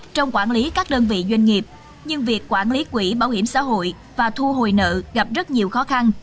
trong quản lý các đơn vị doanh nghiệp nhưng việc quản lý quỹ bảo hiểm xã hội và thu hồi nợ gặp rất nhiều khó khăn